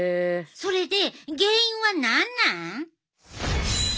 それで原因は何なん？